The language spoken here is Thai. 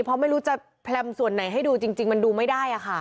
เพราะไม่รู้จะแพลมส่วนไหนให้ดูจริงมันดูไม่ได้ค่ะ